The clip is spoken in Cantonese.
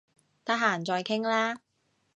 得閒再傾啦